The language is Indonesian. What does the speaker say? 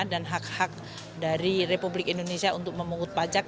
dan hak hak dari republik indonesia untuk memungut pajak